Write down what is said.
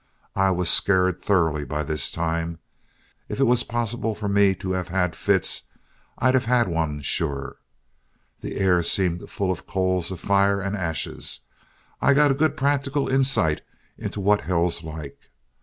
I was scared thoroughly by this time. If it was possible for me to have had fits, I'd have had one sure. The air seemed full of coals of fire and ashes. I got good practical insight into what hell's like.